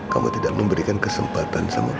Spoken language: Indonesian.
kamu tidak memberikan kesempatan sama kamu